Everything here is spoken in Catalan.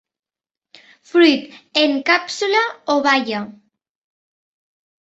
Fruit en càpsula o baia.